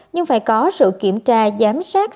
nhưng phải có sự kiểm tra giám sát